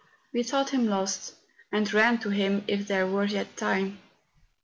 We thought him lost, and ran to help him if there were yet time.